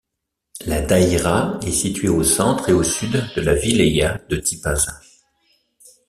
La daïra est située au centre et au sud de la wilaya de Tipaza.